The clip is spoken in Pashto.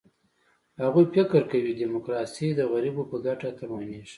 هغوی فکر کوي، ډیموکراسي د غریبو په ګټه تمامېږي.